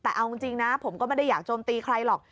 แต่เอาจริงนะผมก็ไม่ได้อยากโจมตีใครหรอก